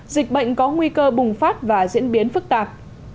dịch bệnh có nguy cơ bùng phát và diễn biến phức tạp